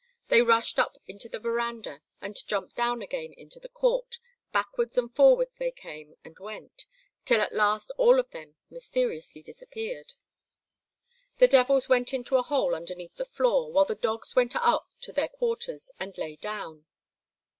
They rushed up into the verandah and jumped down again into the court; backwards and forwards they came and went, till at last all of them mysteriously disappeared. The devils went into a hole underneath the floor, while the dogs went up to their quarters and lay down.